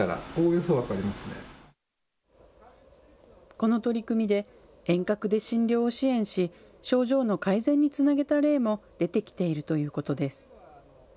この取り組みで遠隔で診療を支援し、症状の改善につなげた例も出てきているということです。